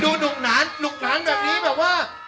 ดูหนุ่มน้านหนุ่มน้านแบบนี้แบบว่า